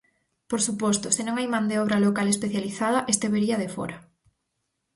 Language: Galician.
Por suposto, se non hai man de obra local especializada, esta viría de fóra.